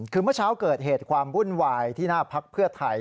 คือเมื่อเช้าเกิดเหตุความวุ่นวายที่หน้าพักเพื่อไทย